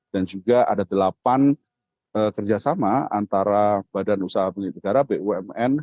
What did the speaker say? dan juga ada delapan kerjasama antara badan usaha peringkat negara bumn